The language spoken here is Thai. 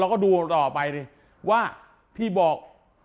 เราก็ดูต่อไปว่าที่บอก